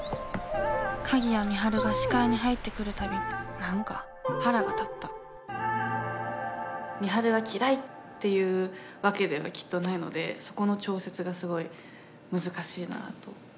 鍵谷美晴が視界に入ってくるたび何か腹が立った美晴が嫌いっていうわけではきっとないのでそこの調節がすごい難しいなと。